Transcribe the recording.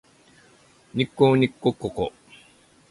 にっこにっこにー